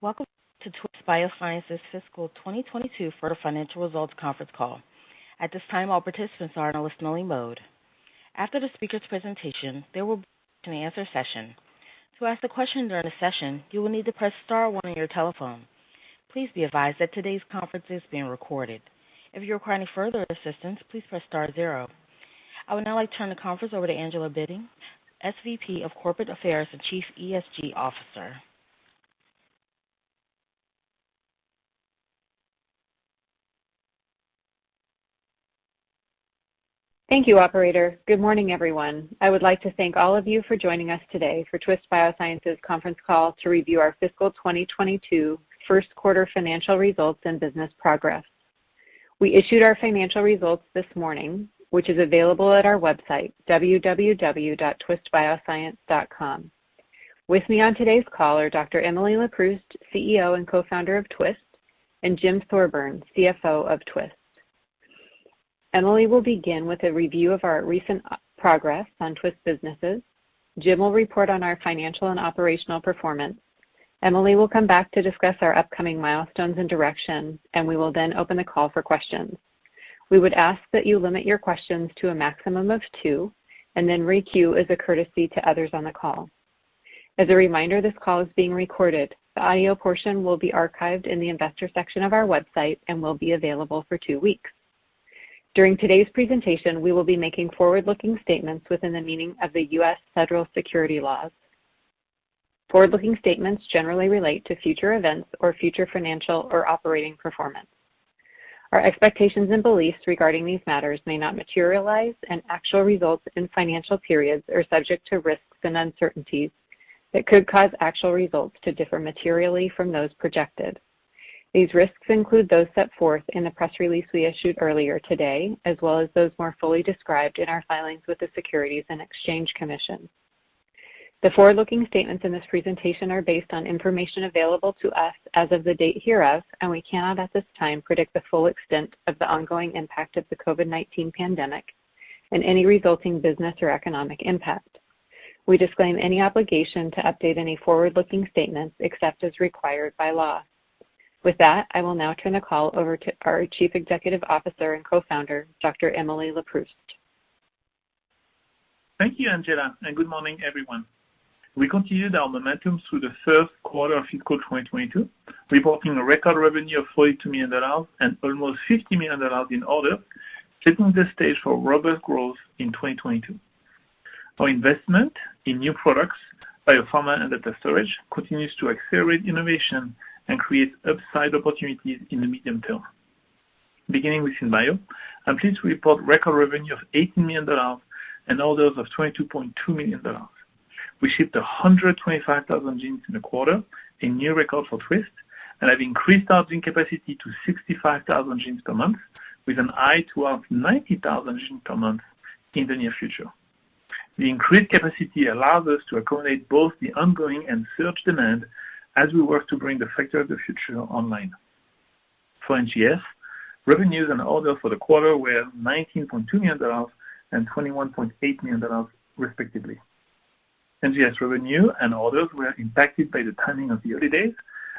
Welcome to Twist Bioscience's fiscal 2022 fourth quarter financial results conference call. At this time, all participants are in a listening mode. After the speaker's presentation, there will be a question-and-answer session. To ask a question during the session, you will need to press star one on your telephone. Please be advised that today's conference is being recorded. If you require any further assistance, please press star zero. I would now like to turn the conference over to Angela Bitting, SVP of Corporate Affairs and Chief ESG Officer. Thank you, operator. Good morning, everyone. I would like to thank all of you for joining us today for Twist Bioscience's conference call to review our fiscal 2022 first quarter financial results and business progress. We issued our financial results this morning, which is available at our website, www.twistbioscience.com. With me on today's call are Dr. Emily LeProust, CEO and co-founder of Twist, and Jim Thorburn, CFO of Twist. Emily will begin with a review of our recent progress on Twist businesses. Jim will report on our financial and operational performance. Emily will come back to discuss our upcoming milestones and direction, and we will then open the call for questions. We would ask that you limit your questions to a maximum of two and then re-queue as a courtesy to others on the call. As a reminder, this call is being recorded. The audio portion will be archived in the investor section of our website and will be available for two weeks. During today's presentation, we will be making forward-looking statements within the meaning of the U.S. federal securities laws. Forward-looking statements generally relate to future events or future financial or operating performance. Our expectations and beliefs regarding these matters may not materialize, and actual results in financial periods are subject to risks and uncertainties that could cause actual results to differ materially from those projected. These risks include those set forth in the press release we issued earlier today, as well as those more fully described in our filings with the Securities and Exchange Commission. The forward-looking statements in this presentation are based on information available to us as of the date hereof, and we cannot at this time predict the full extent of the ongoing impact of the COVID-19 pandemic and any resulting business or economic impact. We disclaim any obligation to update any forward-looking statements except as required by law. With that, I will now turn the call over to our Chief Executive Officer and Co-founder, Dr. Emily Leproust. Thank you, Angela, and good morning, everyone. We continued our momentum through the first quarter of fiscal 2022, reporting a record revenue of $42 million and almost $50 million in orders, setting the stage for robust growth in 2022. Our investment in new products, Biopharma and data storage, continues to accelerate innovation and create upside opportunities in the medium term. Beginning with SynBio, I'm pleased to report record revenue of $18 million and orders of $22.2 million. We shipped 125,000 genes in the quarter, a new record for Twist, and have increased our gene capacity to 65,000 genes per month with an eye towards 90,000 genes per month in the near future. The increased capacity allows us to accommodate both the ongoing and surge demand as we work to bring the Factory of the Future online. For NGS, revenues and orders for the quarter were $19.2 million and $21.8 million, respectively. NGS revenue and orders were impacted by the timing of the holidays,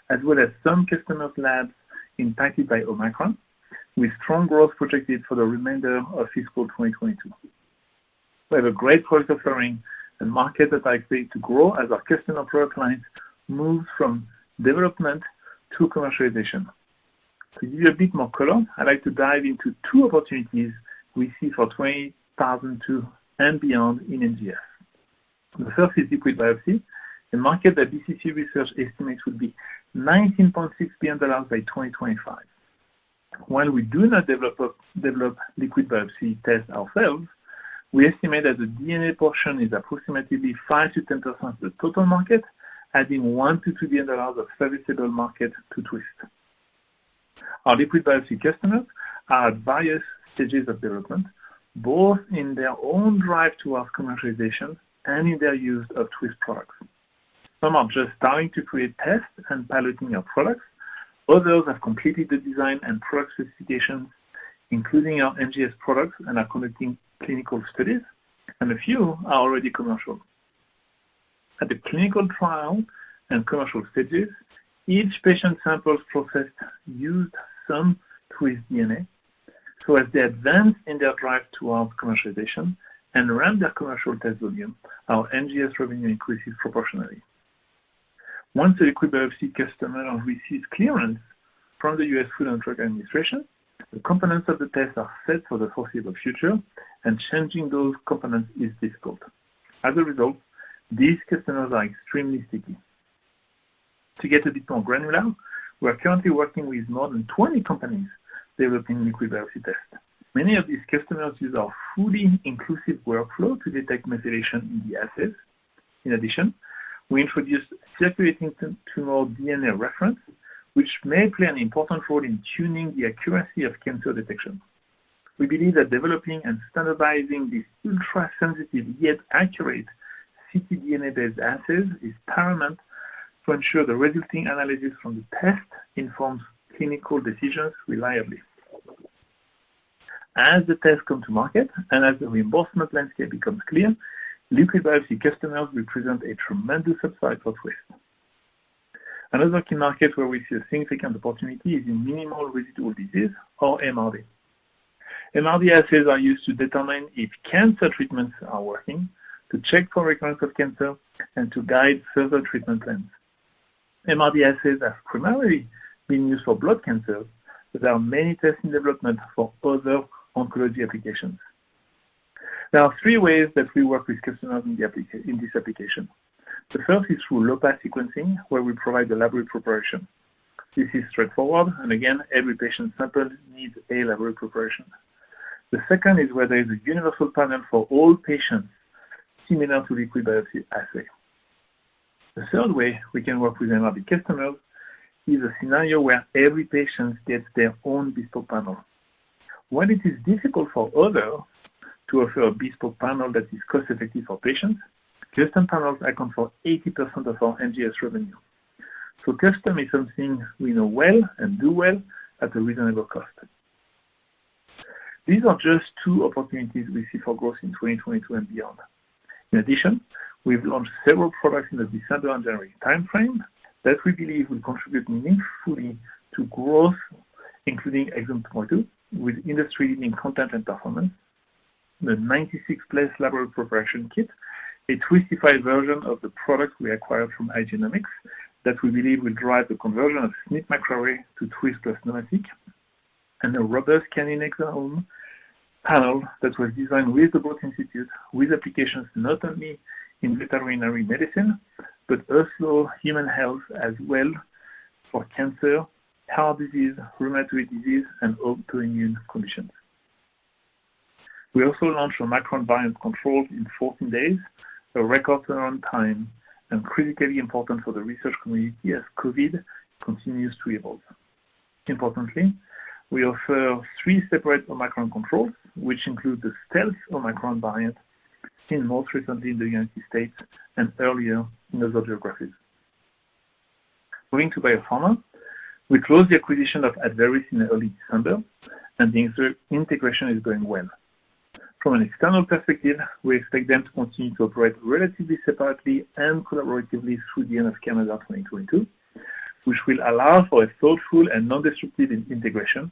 as well as some customer's labs impacted by Omicron, with strong growth projected for the remainder of fiscal 2022. We have a great product offering, a market that I expect to grow as our customer product lines move from development to commercialization. To give you a bit more color, I'd like to dive into two opportunities we see for 2022 and beyond in NGS. The first is liquid biopsy, a market that BCC Research estimates will be $19.6 billion by 2025. While we do not develop liquid biopsy tests ourselves, we estimate that the DNA portion is approximately 5%-10% of the total market, adding $1 billion-$2 billion of serviceable market to Twist. Our liquid biopsy customers are at various stages of development, both in their own drive towards commercialization and in their use of Twist products. Some are just starting to create tests and piloting our products. Others have completed the design and product specifications, including our NGS products, and are conducting clinical studies, and a few are already commercial. At the clinical trial and commercial stages, each patient sample processed uses some Twist DNA. As they advance in their drive towards commercialization and ramp their commercial test volume, our NGS revenue increases proportionally. Once a liquid biopsy customer receives clearance from the U.S. Food and Drug Administration, the components of the test are set for the foreseeable future, and changing those components is difficult. As a result, these customers are extremely sticky. To get a bit more granular, we are currently working with more than 20 companies developing liquid biopsy tests. Many of these customers use our fully inclusive workflow to detect methylation in the assets. In addition, we introduced circulating tumor DNA reference, which may play an important role in tuning the accuracy of cancer detection. We believe that developing and standardizing these ultra-sensitive yet accurate ctDNA-based assays is paramount to ensure the resulting analysis from the test informs clinical decisions reliably. As the tests come to market and as the reimbursement landscape becomes clear, liquid biopsy customers will present a tremendous upside for Twist. Another key market where we see a significant opportunity is in minimal residual disease or MRD. MRD assays are used to determine if cancer treatments are working, to check for recurrence of cancer, and to guide further treatment plans. MRD assays have primarily been used for blood cancers, but there are many tests in development for other oncology applications. There are three ways that we work with customers in this application. The first is through low pass sequencing, where we provide the library preparation. This is straightforward, and again, every patient sample needs a library preparation. The second is where there is a universal panel for all patients, similar to liquid biopsy assay. The third way we can work with MRD customers is a scenario where every patient gets their own bespoke panel. While it is difficult for others to offer a bespoke panel that is cost-effective for patients, custom panels account for 80% of our NGS revenue. Custom is something we know well and do well at a reasonable cost. These are just two opportunities we see for growth in 2022 and beyond. In addition, we've launched several products in the December and January timeframe that we believe will contribute meaningfully to growth, including Exome 2.0 with industry leading content and performance, the 96-well library preparation kit, a Twist-ified version of the product we acquired from iGenomX that we believe will drive the conversion of SNP microarray to Twist plus Novogene, and a robust canine exome panel that was designed with Broad Institute with applications not only in veterinary medicine, but also human health as well for cancer, heart disease, rheumatoid disease, and autoimmune conditions. We also launched Omicron variant controls in 14 days, a record turnaround time, and critically important for the research community as COVID continues to evolve. Importantly, we offer 3 separate Omicron controls, which include the stealth Omicron variant seen most recently in the United States and earlier in other geographies. Moving to Biopharma. We closed the acquisition of Abveris in early December, and the integration is going well. From an external perspective, we expect them to continue to operate relatively separately and collaboratively through the end of calendar 2022, which will allow for a thoughtful and non-disruptive integration,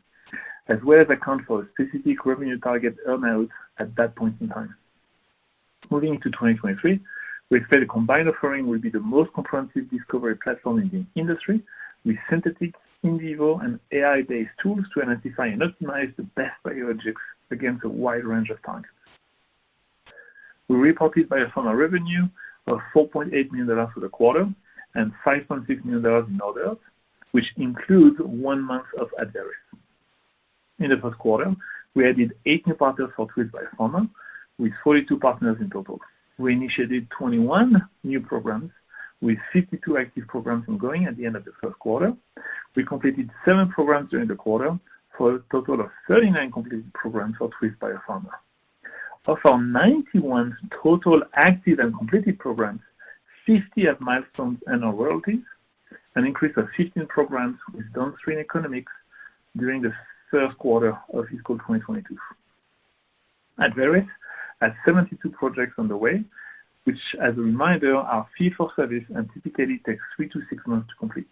as well as account for a specific revenue target earn-out at that point in time. Moving into 2023, we expect the combined offering will be the most comprehensive discovery platform in the industry, with synthetic, in vivo, and AI-based tools to identify and optimize the best biologics against a wide range of targets. We reported Biopharma revenue of $4.8 million for the quarter and $5.6 million in orders, which includes one month of Abveris. In the first quarter, we added 8 new partners for Twist Biopharma, with 42 partners in total. We initiated 21 new programs, with 52 active programs ongoing at the end of the first quarter. We completed seven programs during the quarter for a total of 39 completed programs for Twist Biopharma. Of our 91 total active and completed programs, 50 have milestones and/or royalties, an increase of 15 programs with down-screen economics during the third quarter of fiscal 2022. Abveris has 72 projects on the way, which, as a reminder, are fee for service and typically takes three-six months to complete.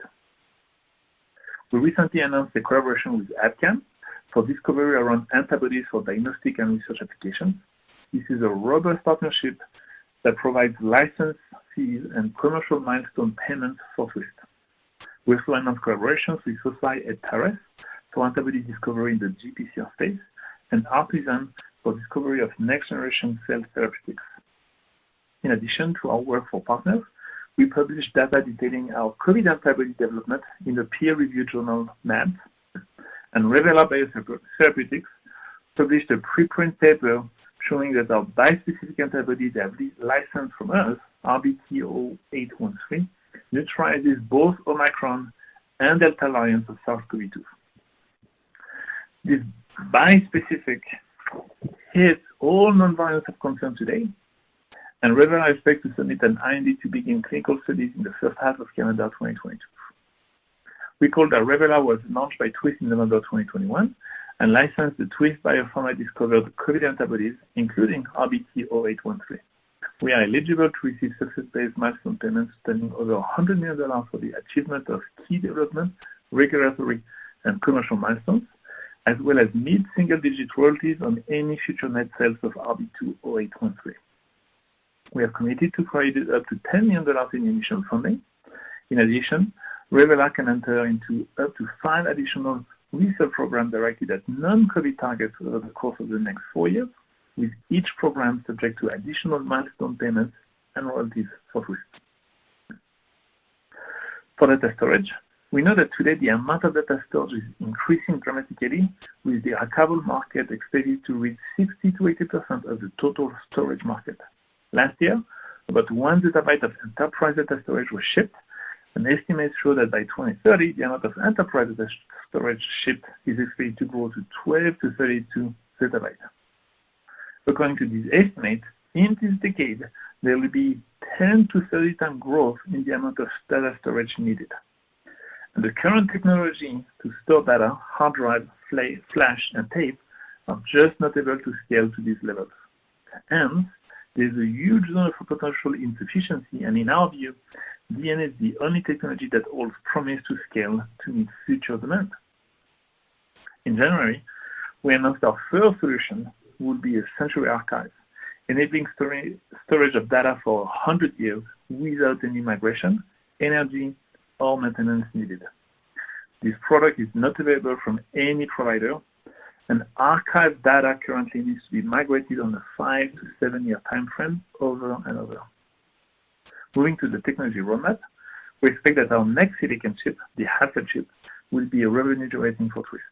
We recently announced a collaboration with Abcam for discovery around antibodies for diagnostic and research applications. This is a robust partnership that provides license fees and commercial milestone payments for Twist. We also announced collaborations with Boehringer Ingelheim for antibody discovery in the GPCR space and Artisan Bio for discovery of next-generation cell therapeutics. In addition to our work for partners, we published data detailing our COVID antibody development in the peer-reviewed journal, mAbs. Revelar Biotherapeutics published a preprint paper showing that our bispecific antibody, that is licensed from us, RBT-0813, neutralizes both Omicron and Delta variants of SARS-CoV-2. This bispecific hits all known variants of concern today, and Revelar expects to submit an IND to begin clinical studies in the first half of calendar 2022. Recall that Revelar was launched by Twist in November 2021 and licensed the Twist Biopharma discovered COVID antibodies, including RBT-0813. We are eligible to receive success-based milestone payments exceeding over $100 million for the achievement of key development, regulatory, and commercial milestones, as well as mid-single-digit royalties on any future net sales of RBT-0813. We are committed to provide up to $10 million in initial funding. In addition, Revelar can enter into up to five additional research programs directed at non-COVID targets over the course of the next four years, with each program subject to additional milestone payments and royalties for Twist. For data storage, we know that today the amount of data stored is increasing dramatically, with the archival market expected to reach 60%-80% of the total storage market. Last year, about 1 zettabyte of enterprise data storage was shipped, and estimates show that by 2030 the amount of enterprise data storage shipped is expected to grow to 12-32 zettabytes. According to these estimates, in this decade, there will be 10-30 times growth in the amount of data storage needed. The current technology to store data, hard drive, flash, and tape, are just not able to scale to these levels. There's a huge amount of potential inefficiency. In our view, DNA is the only technology that holds promise to scale to meet future demand. In January, we announced our first solution would be a Century Archive, enabling storage of data for 100 years without any migration, energy, or maintenance needed. This product is not available from any provider. Archive data currently needs to be migrated on a five to seven year timeframe over and over. Moving to the technology roadmap, we expect that our next silicon chip, the Alpha chip, will be a revenue-generating for Twist.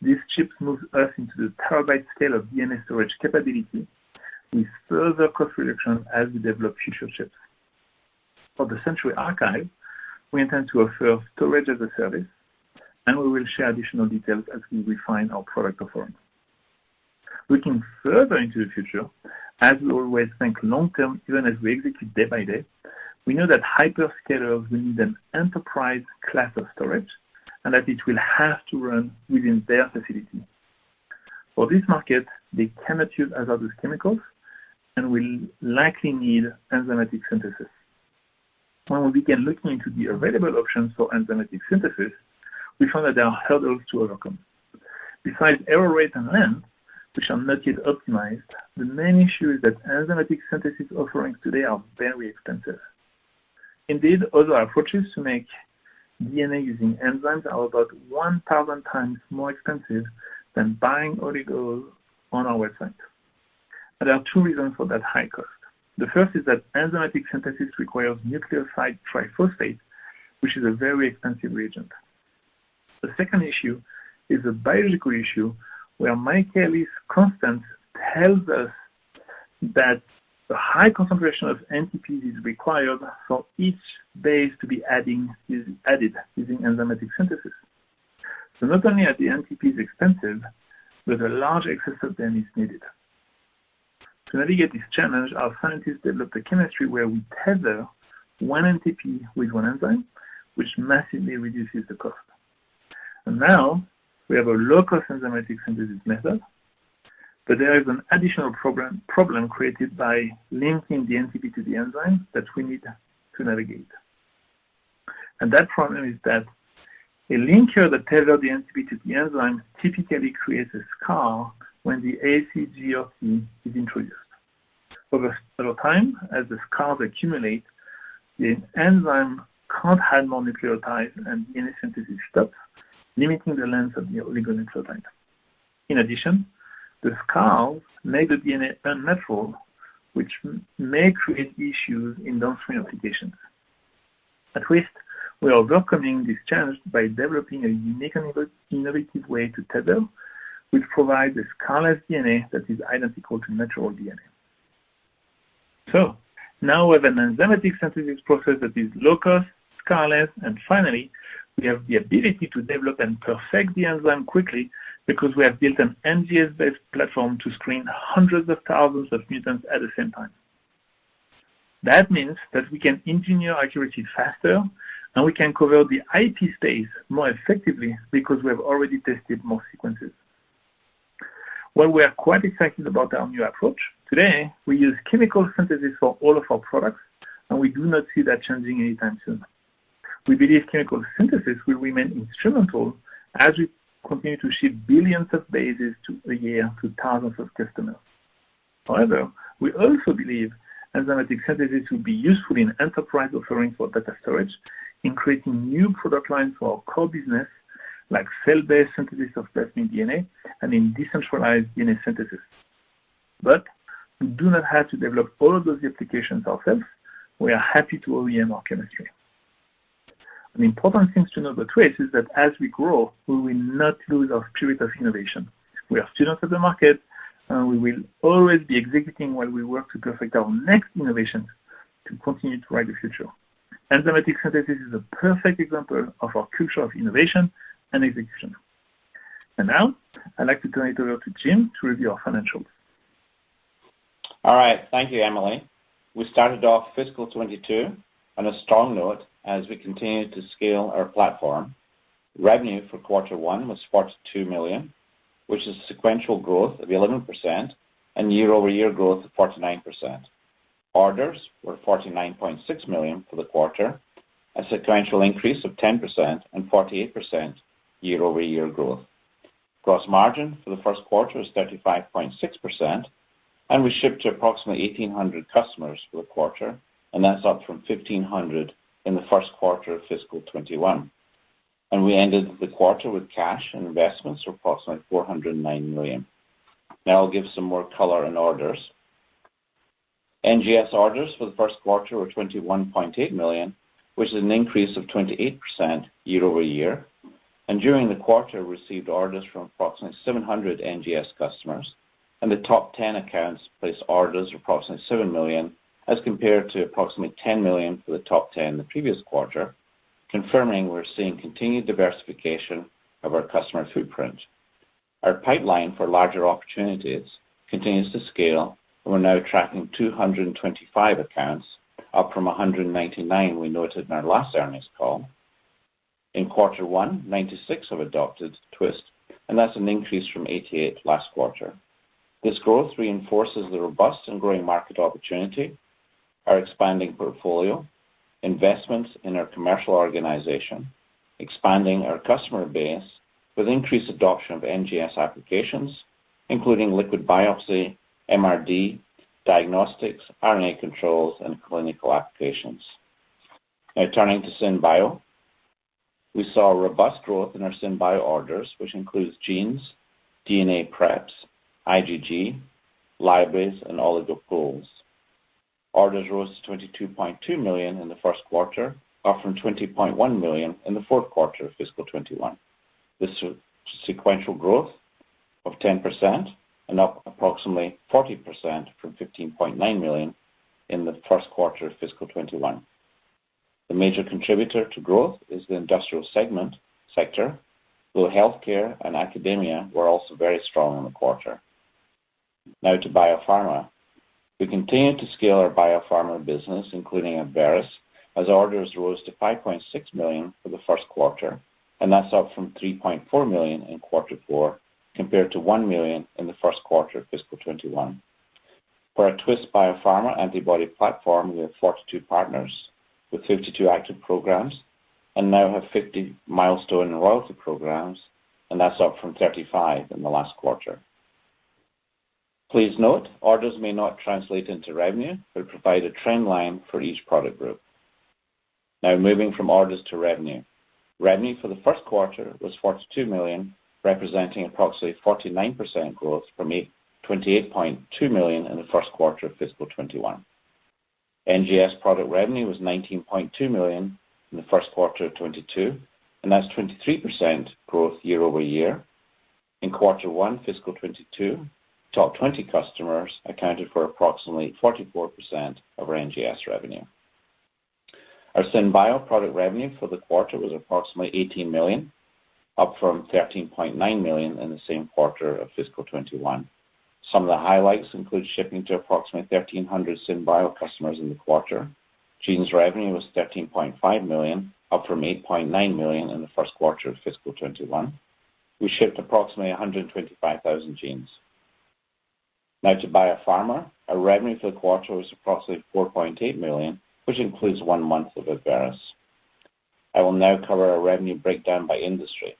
These chips move us into the terabyte scale of DNA storage capability with further cost reduction as we develop future chips. For the Century Archive, we intend to offer storage as a service, and we will share additional details as we refine our product offering. Looking further into the future, as we always think long-term, even as we execute day by day, we know that hyperscalers will need an enterprise class of storage and that it will have to run within their facility. For this market, they cannot use hazardous chemicals and will likely need enzymatic synthesis. When we began looking into the available options for enzymatic synthesis, we found that there are hurdles to overcome. Besides error rate and length, which are not yet optimized, the main issue is that enzymatic synthesis offerings today are very expensive. Indeed, other approaches to make DNA using enzymes are about 1,000 times more expensive than buying oligos on our website. There are two reasons for that high cost. The first is that enzymatic synthesis requires nucleoside triphosphate, which is a very expensive reagent. The second issue is a biological issue where Michaelis constant tells us that the high concentration of NTPs is required for each base to be added using enzymatic synthesis. Not only are the NTPs expensive, but a large excess of them is needed. To navigate this challenge, our scientists developed a chemistry where we tether one NTP with one enzyme, which massively reduces the cost. Now we have a low-cost enzymatic synthesis method, but there is an additional problem created by linking the NTP to the enzyme that we need to navigate. That problem is that a link here that tethers the NTP to the enzyme typically creates a scar when the ACGOC is introduced. Over time, as the scars accumulate, the enzyme can't handle more nucleotides and the synthesis stops, limiting the length of the oligonucleotide. In addition, scars make the DNA unnatural, which may create issues in downstream applications. At Twist, we are welcoming this challenge by developing a unique and innovative way to tether, which provides a scarless DNA that is identical to natural DNA. Now with an enzymatic synthesis process that is low cost, scarless, and finally, we have the ability to develop and perfect the enzyme quickly because we have built an NGS-based platform to screen hundreds of thousands of mutants at the same time. That means that we can engineer accuracy faster, and we can cover the IP space more effectively because we have already tested more sequences. While we are quite excited about our new approach, today, we use chemical synthesis for all of our products, and we do not see that changing anytime soon. We believe chemical synthesis will remain instrumental as we continue to ship billions of bases a year to thousands of customers. However, we also believe enzymatic synthesis will be useful in enterprise offering for data storage, in creating new product lines for our core business, like cell-based synthesis of custom DNA, and in decentralized DNA synthesis. We do not have to develop all of those applications ourselves. We are happy to OEM our chemistry. An important thing to know about Twist is that as we grow, we will not lose our spirit of innovation. We are still up in the market, and we will always be executing while we work to perfect our next innovation to continue to write the future. Enzymatic synthesis is a perfect example of our culture of innovation and execution. Now, I'd like to turn it over to Jim to review our financials. All right. Thank you, Emily. We started off fiscal 2022 on a strong note as we continued to scale our platform. Revenue for quarter one was $42 million, which is sequential growth of 11% and year-over-year growth of 49%. Orders were $49.6 million for the quarter, a sequential increase of 10% and 48% year-over-year growth. Gross margin for the first quarter is 35.6%, and we shipped to approximately 1,800 customers for the quarter, and that's up from 1,500 in the first quarter of fiscal 2021. We ended the quarter with cash and investments of approximately $409 million. Now I'll give some more color on orders. NGS orders for the first quarter were $21.8 million, which is an increase of 28% year over year. During the quarter, we received orders from approximately 700 NGS customers, and the top ten accounts placed orders of approximately $7 million as compared to approximately $10 million for the top ten the previous quarter. Confirming we're seeing continued diversification of our customer footprint. Our pipeline for larger opportunities continues to scale, and we're now tracking 225 accounts, up from 199 we noted in our last earnings call. In quarter one, 96 have adopted Twist, and that's an increase from 88 last quarter. This growth reinforces the robust and growing market opportunity, our expanding portfolio, investments in our commercial organization, expanding our customer base with increased adoption of NGS applications, including liquid biopsy, MRD, diagnostics, RNA controls, and clinical applications. Now turning to SynBio. We saw robust growth in our SynBio orders, which includes genes, DNA preps, IgG, libraries, and oligo pools. Orders rose to $22.2 million in the first quarter, up from $20.1 million in the fourth quarter of fiscal 2021. This is sequential growth of 10% and up approximately 40% from $15.9 million in the first quarter of fiscal 2021. The major contributor to growth is the industrial segment sector, though healthcare and academia were also very strong in the quarter. Now to biopharma. We continue to scale our biopharma business, including Abveris, as orders rose to $5.6 million for the first quarter, and that's up from $3.4 million in quarter four, compared to $1 million in the first quarter of fiscal 2021. For our Twist Biopharma antibody platform, we have 42 partners with 52 active programs and now have 50 milestone royalty programs, and that's up from 35 in the last quarter. Please note, orders may not translate into revenue but provide a trend line for each product group. Now moving from orders to revenue. Revenue for the first quarter was $42 million, representing approximately 49% growth from $28.2 million in the first quarter of fiscal 2021. NGS product revenue was $19.2 million in the first quarter of 2022, and that's 23% growth year over year. In quarter one, fiscal 2022, top 20 customers accounted for approximately 44% of our NGS revenue. Our SynBio product revenue for the quarter was approximately $18 million, up from $13.9 million in the same quarter of fiscal 2021. Some of the highlights include shipping to approximately 1,300 SynBio customers in the quarter. Genes revenue was $13.5 million, up from $8.9 million in the first quarter of fiscal 2021. We shipped approximately 125,000 genes. Now to biopharma. Our revenue for the quarter was approximately $4.8 million, which includes one month of Abveris. I will now cover our revenue breakdown by industry.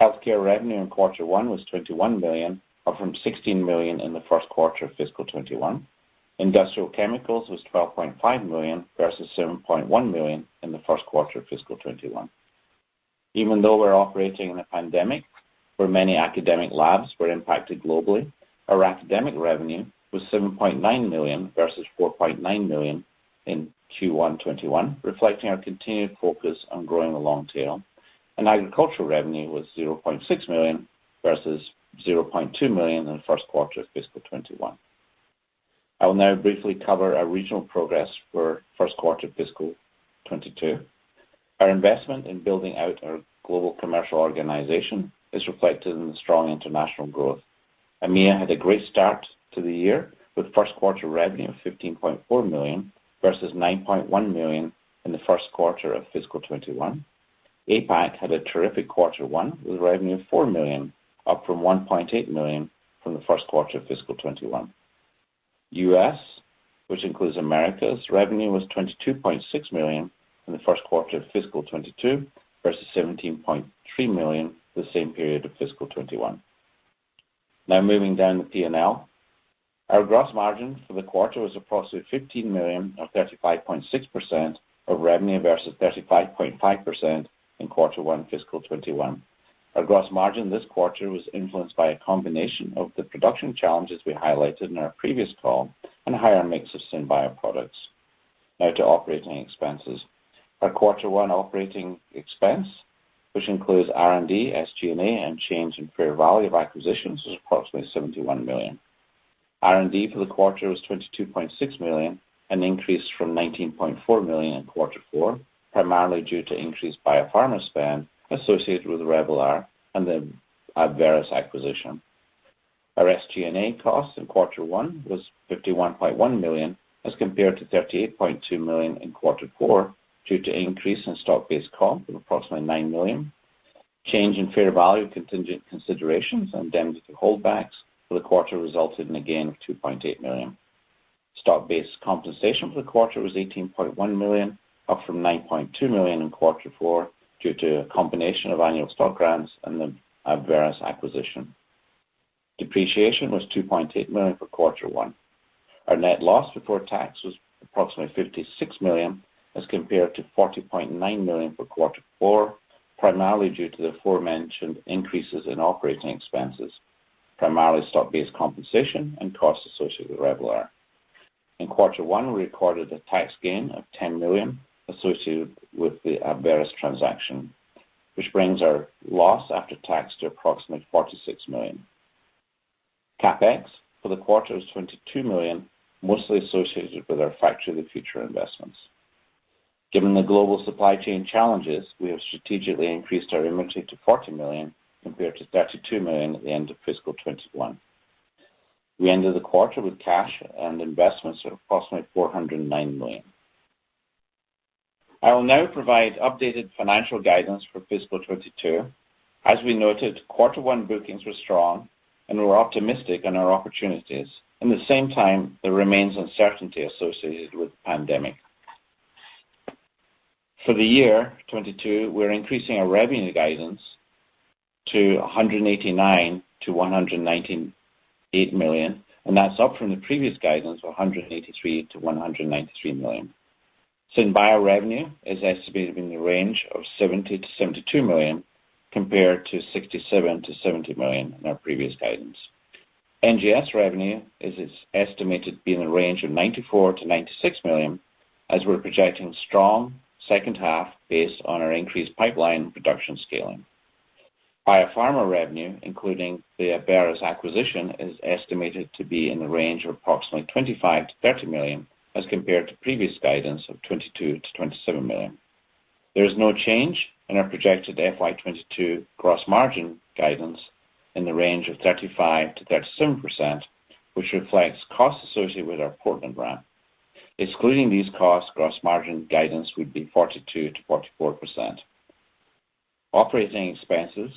Healthcare revenue in quarter one was $21 million, up from $16 million in the first quarter of FY 2021. Industrial chemicals was $12.5 million versus $7.1 million in the first quarter of FY 2021. Even though we're operating in a pandemic, where many academic labs were impacted globally, our academic revenue was $7.9 million versus $4.9 million in Q1 2021, reflecting our continued focus on growing the long tail. Agricultural revenue was $0.6 million versus $0.2 million in the first quarter of FY 2021. I will now briefly cover our regional progress for first quarter FY 2022. Our investment in building out our global commercial organization is reflected in the strong international growth. EMEA had a great start to the year with first quarter revenue of $15.4 million versus $9.1 million in the first quarter of fiscal 2021. APAC had a terrific quarter one with revenue of $4 million, up from $1.8 million from the first quarter of fiscal 2021. US, which includes Americas, revenue was $22.6 million in the first quarter of fiscal 2022 versus $17.3 million the same period of fiscal 2021. Now moving down the P&L. Our gross margin for the quarter was approximately $15 million or 35.6% of revenue versus 35.5% in quarter one fiscal 2021. Our gross margin this quarter was influenced by a combination of the production challenges we highlighted in our previous call and a higher mix of SynBio products. Now to operating expenses. Our quarter one operating expense, which includes R&D, SG&A, and change in fair value of acquisitions, was approximately $71 million. R&D for the quarter was $22.6 million, an increase from $19.4 million in quarter four, primarily due to increased Biopharma spend associated with Revelar and the Abveris acquisition. Our SG&A costs in quarter one was $51.1 million as compared to $38.2 million in quarter four due to increase in stock-based comp of approximately $9 million. Change in fair value of contingent considerations and indemnified holdbacks for the quarter resulted in a gain of $2.8 million. Stock-based compensation for the quarter was $18.1 million, up from $9.2 million in quarter four due to a combination of annual stock grants and the Abveris acquisition. Depreciation was $2.8 million for quarter one. Our net loss before tax was approximately $56 million as compared to $40.9 million for quarter four, primarily due to the aforementioned increases in operating expenses, primarily stock-based compensation and costs associated with Revelar. In quarter one, we recorded a tax gain of $10 million associated with the Abveris transaction, which brings our loss after tax to approximately $46 million. CapEx for the quarter is $22 million, mostly associated with our Factory of the Future investments. Given the global supply chain challenges, we have strategically increased our inventory to $40 million, compared to $32 million at the end of fiscal 2021. We ended the quarter with cash and investments of approximately $409 million. I will now provide updated financial guidance for fiscal 2022. As we noted, quarter one bookings were strong, and we're optimistic in our opportunities. At the same time, there remains uncertainty associated with the pandemic. For the year 2022, we're increasing our revenue guidance to $189 million-$198 million, and that's up from the previous guidance of $183 million-$193 million. SynBio revenue is estimated in the range of $70 million-$72 million, compared to $67 million-$70 million in our previous guidance. NGS revenue is estimated to be in the range of $94 million-$96 million, as we're projecting strong second half based on our increased pipeline production scaling. Biopharma revenue, including the Abveris acquisition, is estimated to be in the range of approximately $25 million-$30 million, as compared to previous guidance of $22 million-$27 million. There is no change in our projected FY 2022 gross margin guidance in the range of 35%-37%, which reflects costs associated with our Portland ramp. Excluding these costs, gross margin guidance would be 42%-44%. Operating expenses,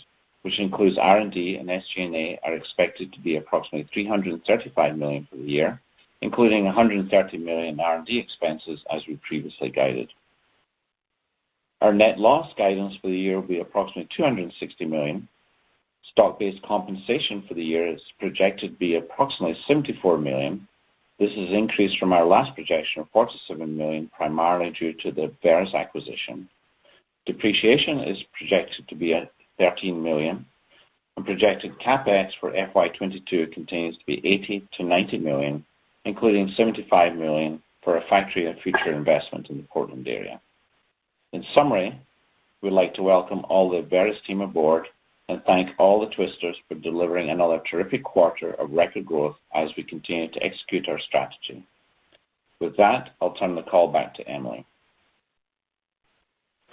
which includes R&D and SG&A, are expected to be approximately $335 million for the year, including $130 million R&D expenses, as we previously guided. Our net loss guidance for the year will be approximately $260 million. Stock-based compensation for the year is projected to be approximately $74 million. This has increased from our last projection of $47 million, primarily due to the Abveris acquisition. Depreciation is projected to be $13 million. Projected CapEx for FY 2022 continues to be $80 million-$90 million, including $75 million for our Factory of the Future investment in the Portland area. In summary, we'd like to welcome all the Abveris team aboard and thank all the Twisters for delivering another terrific quarter of record growth as we continue to execute our strategy. With that, I'll turn the call back to Emily.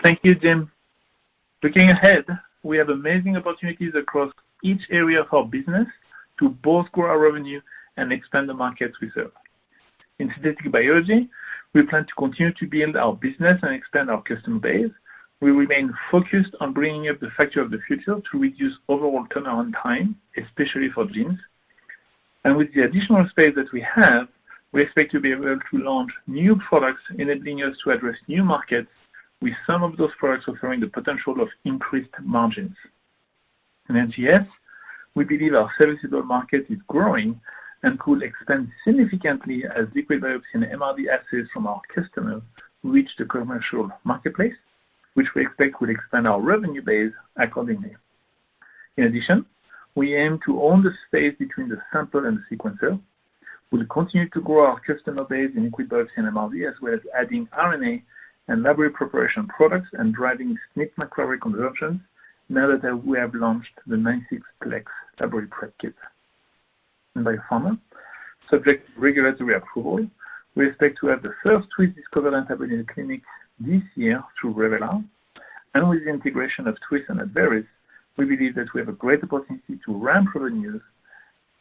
Thank you, Jim. Looking ahead, we have amazing opportunities across each area of our business to both grow our revenue and expand the markets we serve. In Synthetic Biology, we plan to continue to build our business and expand our customer base. We remain focused on bringing up the Factory of the Future to reduce overall turnaround time, especially for genes. With the additional space that we have, we expect to be able to launch new products enabling us to address new markets, with some of those products offering the potential of increased margins. In NGS, we believe our services market is growing and could expand significantly as exome and MRD assets from our customers reach the commercial marketplace, which we expect will expand our revenue base accordingly. In addition, we aim to own the space between the sample and the sequencer. We'll continue to grow our customer base in exome and MRD, as well as adding RNA and library preparation products and driving SNP microarray conversion now that we have launched the 96-plex library prep kit. In Biopharma, subject to regulatory approval, we expect to have the first Twist Discover antibody in the clinic this year through Revelar. With the integration of Twist and Abveris, we believe that we have a great opportunity to ramp revenues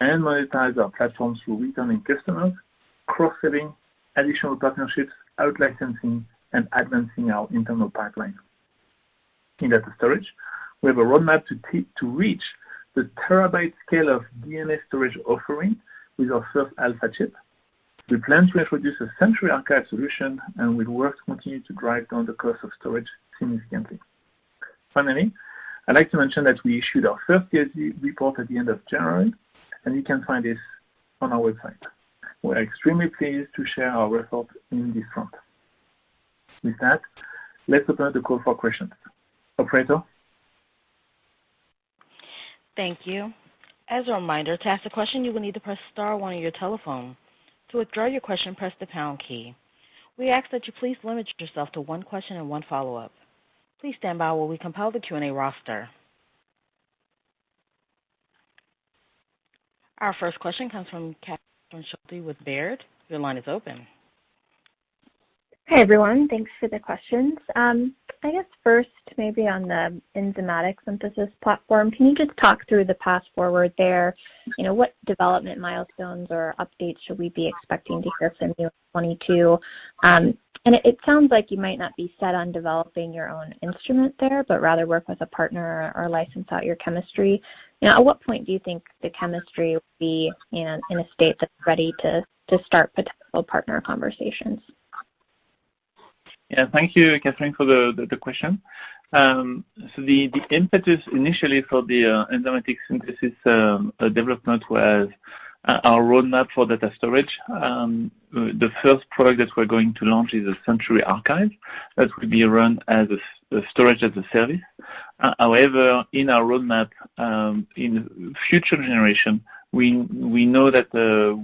and monetize our platform through returning customers, cross-selling, additional partnerships, out-licensing, and advancing our internal pipeline. In data storage, we have a roadmap to reach the terabyte scale of DNA storage offering with our first Alpha chip. We plan to introduce a Century Archive solution, and we'll work to continue to drive down the cost of storage significantly. Finally, I'd like to mention that we issued our first ESG report at the end of January, and you can find this on our website. We're extremely pleased to share our results in this front. With that, let's open the call for questions. Operator? Thank you. As a reminder, to ask a question, you will need to press star one on your telephone. To withdraw your question, press the pound key. We ask that you please limit yourself to one question and one follow-up. Please stand by while we compile the Q&A roster. Our first question comes from Catherine Schulte with Baird. Your line is open. Hey, everyone. Thanks for the questions. I guess first maybe on the enzymatic synthesis platform, can you just talk through the path forward there? You know, what development milestones or updates should we be expecting to hear from you in 2022? It sounds like you might not be set on developing your own instrument there, but rather work with a partner or license out your chemistry. You know, at what point do you think the chemistry will be in a state that's ready to start potential partner conversations? Yeah. Thank you, Catherine, for the question. The impetus initially for the enzymatic synthesis development was our roadmap for data storage. The first product that we're going to launch is a Century Archive that will be run as a storage as a service. However, in our roadmap, in future generation, we know that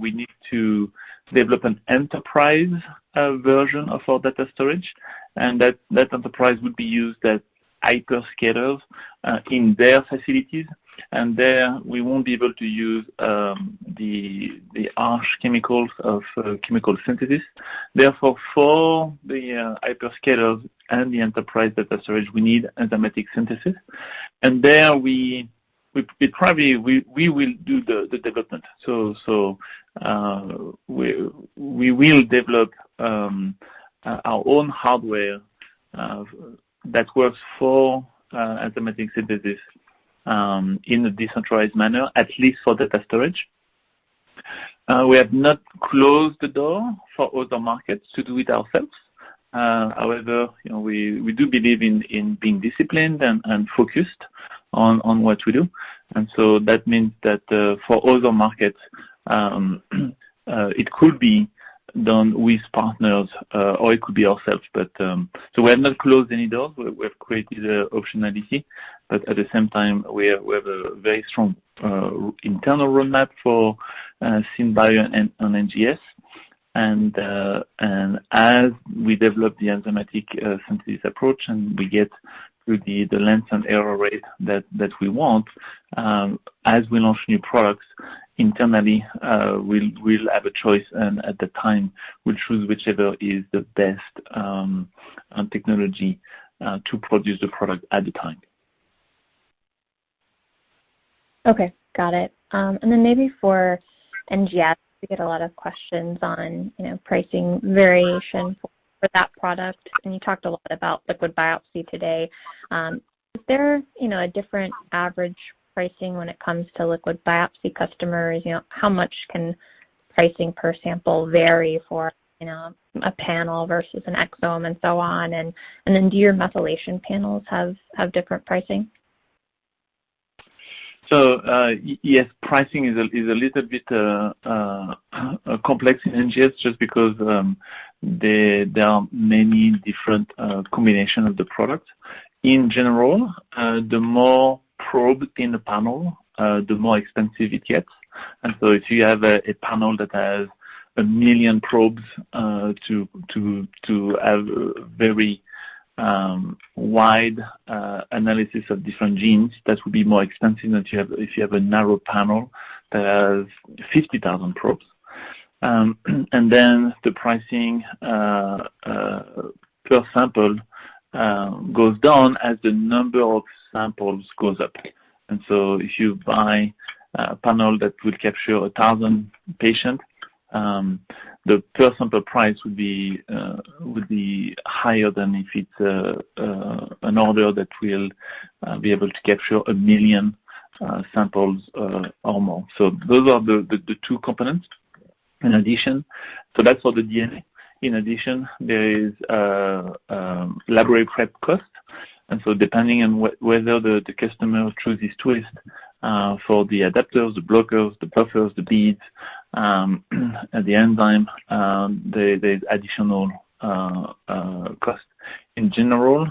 we need to develop an enterprise version of our data storage, and that enterprise would be used at Hyperscalers in their facilities, and there we won't be able to use the harsh chemicals of chemical synthesis. Therefore, for the hyperscalers and the enterprise data storage, we need enzymatic synthesis. There we probably will do the development. We will develop our own hardware that works for enzymatic synthesis in a decentralized manner, at least for data storage. We have not closed the door for other markets to do it ourselves. However, you know, we do believe in being disciplined and focused on what we do. That means that for other markets, it could be done with partners or it could be ourselves. We have not closed any doors. We've created optionality, but at the same time, we have a very strong internal roadmap for SynBio and NGS. As we develop the enzymatic synthesis approach, and we get to the length and error rate that we want, as we launch new products internally, we'll have a choice, and at the time, we'll choose whichever is the best technology to produce the product at the time. Okay, got it. Maybe for NGS, we get a lot of questions on, you know, pricing variation for that product, and you talked a lot about liquid biopsy today. Is there, you know, a different average pricing when it comes to liquid biopsy customers? You know, how much can pricing per sample vary for, you know, a panel versus an exome and so on? Do your methylation panels have different pricing? Yes, pricing is a little bit complex in NGS just because there are many different combination of the product. In general, the more probe in the panel, the more expensive it gets. If you have a panel that has 1 million probes to have very wide analysis of different genes, that would be more expensive than if you have a narrow panel that has 50,000 probes. The pricing per sample goes down as the number of samples goes up. If you buy a panel that will capture 1,000 patients, the per sample price would be higher than if it's an order that will be able to capture 1,000,000 samples or more. Those are the two components. That's for the DNA. In addition, there is laboratory prep cost. Depending on whether the customer chooses Twist for the adapters, the blockers, the buffers, the beads, and the enzyme, there's additional cost. In general,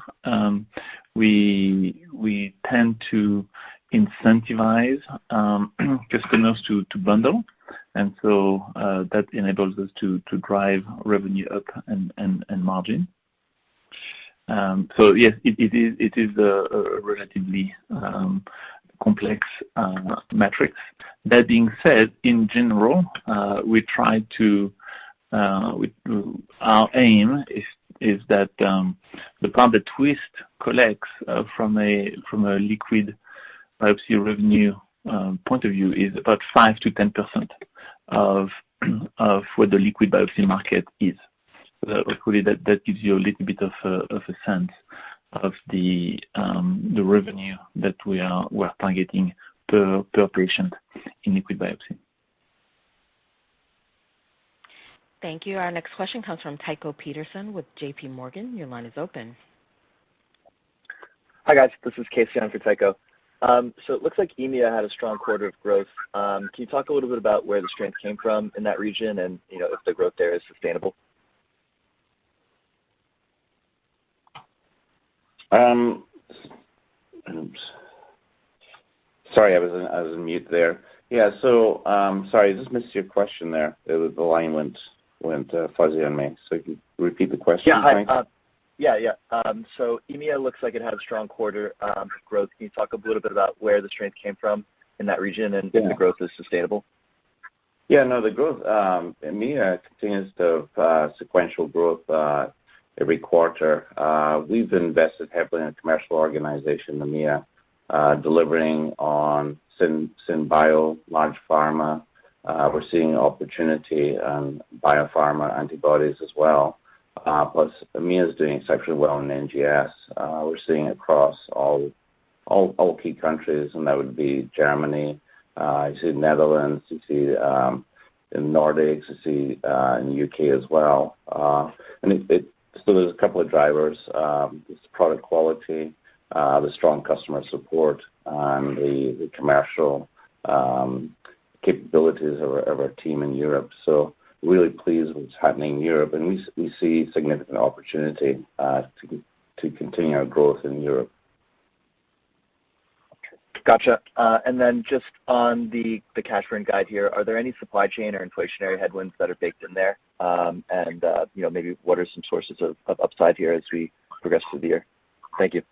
we tend to incentivize customers to bundle. That enables us to drive revenue up and margin. Yes, it is a relatively complex matrix. That being said, in general, our aim is that the part that Twist collects from a liquid biopsy revenue point of view is about 5%-10% of where the liquid biopsy market is. Hopefully that gives you a little bit of a sense of the revenue that we're targeting per patient in liquid biopsy. Thank you. Our next question comes from Tycho Peterson with JPMorgan. Your line is open. Hi, guys. This is Casey on for Tycho. It looks like EMEA had a strong quarter of growth. Can you talk a little bit about where the strength came from in that region and, you know, if the growth there is sustainable? Oops. Sorry, I was in mute there. Yeah, sorry, I just missed your question there. The line went fuzzy on me. If you could repeat the question, I- Yeah. EMEA looks like it had a strong quarter growth. Can you talk a little bit about where the strength came from in that region and if the growth is sustainable? Yeah, no, the growth in EMEA continues to sequential growth every quarter. We've invested heavily in a commercial organization in EMEA, delivering on SynBio, large pharma. We're seeing opportunity in biopharma antibodies as well. Plus EMEA is doing exceptionally well in NGS. We're seeing across all key countries, and that would be Germany, you see Netherlands, you see in Nordics, you see in U.K. as well. There's a couple of drivers. It's product quality, the strong customer support and the commercial capabilities of our team in Europe. Really pleased with what's happening in Europe, and we see significant opportunity to continue our growth in Europe. Gotcha. Just on the cash burn guide here, are there any supply chain or inflationary headwinds that are baked in there? You know, maybe what are some sources of upside here as we progress through the year? Thank you.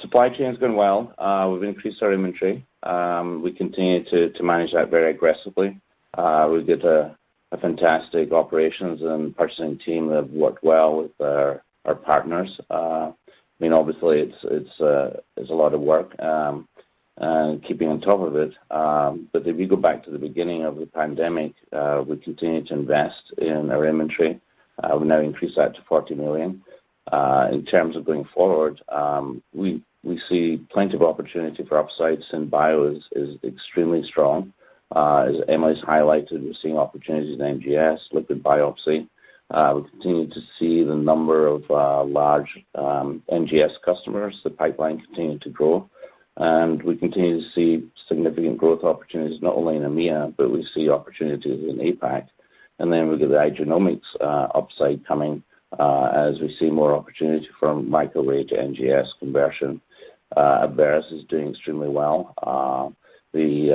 Supply chain has been well. We've increased our inventory. We continue to manage that very aggressively. We've got a fantastic operations and purchasing team that worked well with our partners. I mean, obviously, it's a lot of work keeping on top of it. If you go back to the beginning of the pandemic, we continue to invest in our inventory. We've now increased that to $40 million. In terms of going forward, we see plenty of opportunity for upsides and bio is extremely strong. As Emily's highlighted, we're seeing opportunities in NGS, liquid biopsy. We continue to see the number of large NGS customers. The pipeline continue to grow. We continue to see significant growth opportunities, not only in EMEA, but we see opportunities in APAC. We've got the iGenomX upside coming, as we see more opportunity from microarray to NGS conversion. Abveris is doing extremely well. The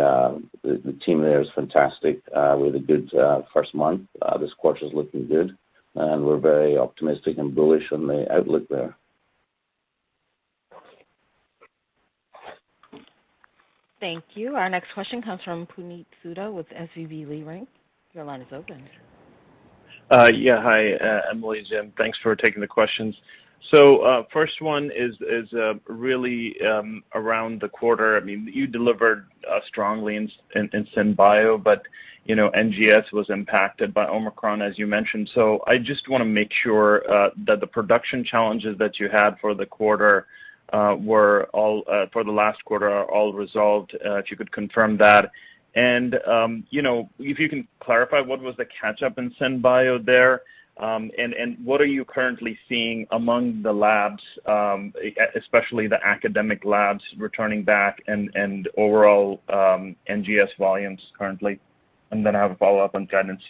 team there is fantastic, with a good first month. This quarter's looking good, and we're very optimistic and bullish on the outlook there. Thank you. Our next question comes from Puneet Souda with SVB Leerink. Your line is open. Yeah. Hi, Emily, Jim. Thanks for taking the questions. First one is really around the quarter. I mean, you delivered strongly in SynBio, but, you know, NGS was impacted by Omicron, as you mentioned. I just wanna make sure that the production challenges that you had for the last quarter are all resolved, if you could confirm that. You know, if you can clarify what was the catch-up in SynBio there, and what are you currently seeing among the labs, especially the academic labs returning back and overall NGS volumes currently. I have a follow-up on guidance.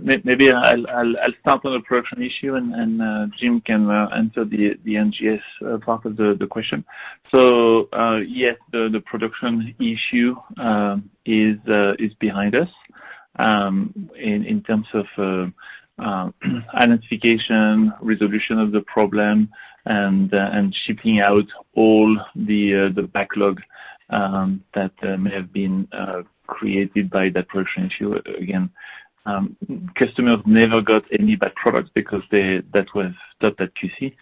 Maybe I'll start on the production issue and Jim can answer the NGS part of the question. Yes, the production issue is behind us in terms of identification, resolution of the problem and shipping out all the backlog that may have been created by that production issue. Again, customers never got any bad products because that was stopped at QC.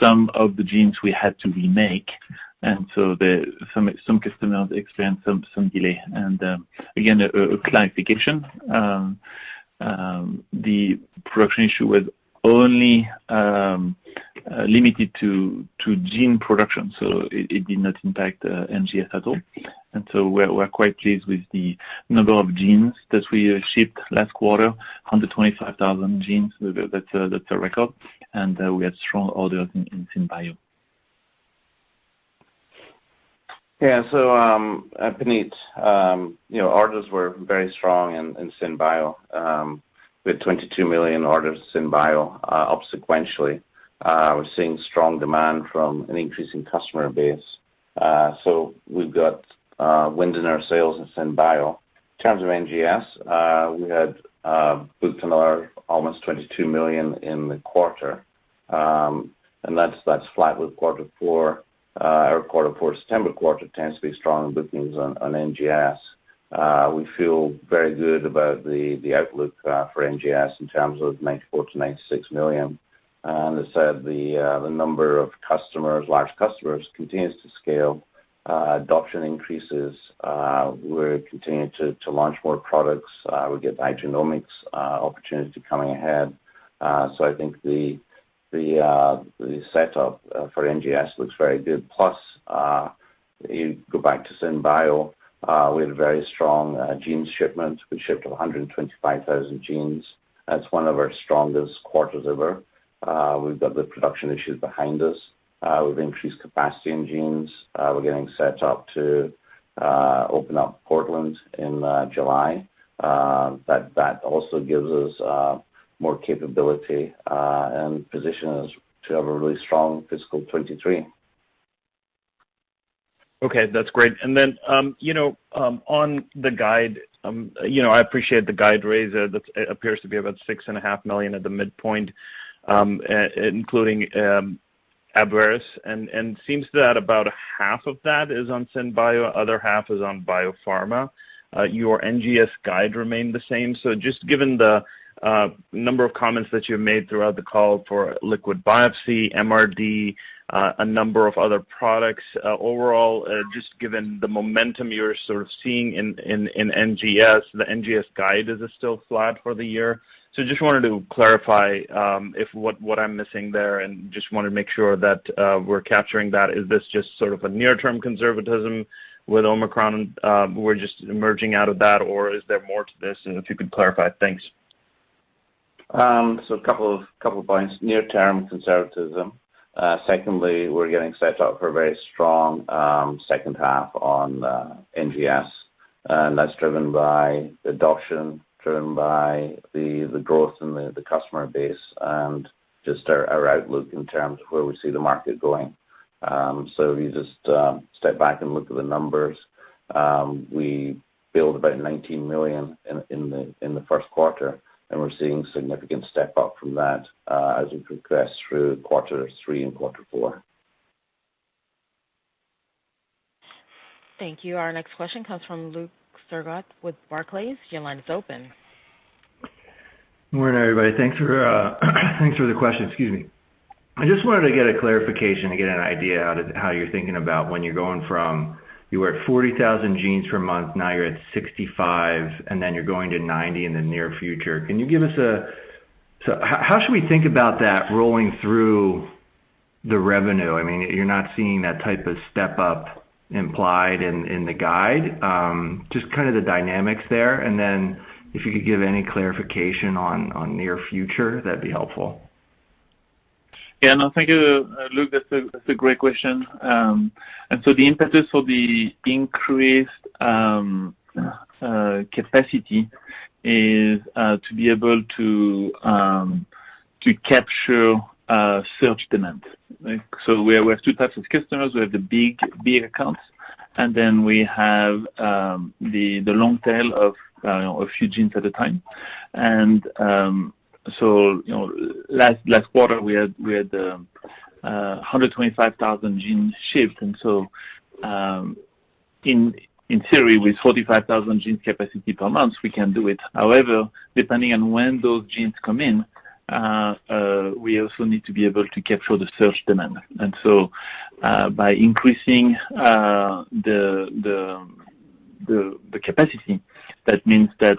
Some of the genes we had to remake, and some customers experienced some delay. Again, a clarification, the production issue was only limited to gene production, so it did not impact NGS at all. We're quite pleased with the number of genes that we shipped last quarter, 125,000 genes. That's a record. We had strong orders in SynBio. Yeah. Puneet, you know, orders were very strong in SynBio. We had 22 million orders in SynBio, up sequentially. We're seeing strong demand from an increasing customer base. We've got wind in our sails in SynBio. In terms of NGS, we had booked another almost $22 million in the quarter, and that's flat with quarter four. Our quarter four September quarter tends to be strong with wins on NGS. We feel very good about the outlook for NGS in terms of $94 million-$96 million. As I said, the number of customers, large customers, continues to scale, adoption increases. We're continuing to launch more products. We got iGenomX opportunity coming ahead. I think the setup for NGS looks very good. You go back to SynBio, we had a very strong gene shipment. We shipped 125,000 genes. That's one of our strongest quarters ever. We've got the production issues behind us. We've increased capacity in genes. We're getting set up to open up Portland in July. That also gives us more capability and positions us to have a really strong fiscal 2023. Okay, that's great. On the guide, you know, I appreciate the guide raise. That's it appears to be about $6.5 million at the midpoint, including Abveris, and seems that about half of that is on SynBio, other half is on Biopharma. Your NGS guide remained the same. Just given the number of comments that you've made throughout the call for liquid biopsy, MRD, a number of other products, overall, just given the momentum you're sort of seeing in NGS, the NGS guide, is it still flat for the year? Just wanted to clarify if what I'm missing there and just wanna make sure that we're capturing that. Is this just sort of a near-term conservatism with Omicron, we're just emerging out of that, or is there more to this? If you could clarify. Thanks. A couple of points. Near-term conservatism. Secondly, we're getting set up for a very strong second half on NGS. That's driven by adoption, driven by the growth in the customer base, and just our outlook in terms of where we see the market going. So if you just step back and look at the numbers, we billed about $19 million in the first quarter, and we're seeing significant step up from that, as we progress through quarter three and quarter four. Thank you. Our next question comes from Luke Sergott with Barclays. Your line is open. Morning, everybody. Thanks for the question. Excuse me. I just wanted to get a clarification how you're thinking about when you're going from, you were at 40,000 genes per month, now you're at 65, and then you're going to 90 in the near future. Can you give us how should we think about that rolling through the revenue? I mean, you're not seeing that type of step up implied in the guide. Just kind of the dynamics there. If you could give any clarification on near future, that'd be helpful. Yeah. No, thank you, Luke. That's a great question. The impetus for the increased capacity is to be able to capture surge demand. Right? So we have two types of customers. We have the big accounts, and then we have the long tail of, you know, a few genes at a time. You know, last quarter, we had 125,000 genes shipped. In theory, with 45,000 gene capacity per month, we can do it. However, depending on when those genes come in, we also need to be able to capture the surge demand. By increasing the capacity, that means that